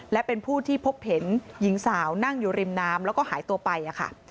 และเป็นผู้ที่พบเห็นหญิงสาวนั่งอยู่ริมน้ำแล้วก็หายตัวไป